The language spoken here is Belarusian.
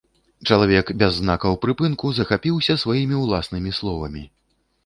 Чалавек без знакаў прыпынку захапіўся сваімі ўласнымі словамі.